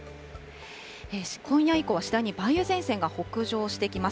今夜以降は、次第に梅雨前線が北上してきます。